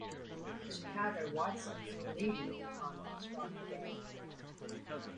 The Chicago White Sox were leading at the time that the strike began.